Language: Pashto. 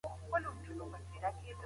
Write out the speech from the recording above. بې پوهي انسان کمزوری کوي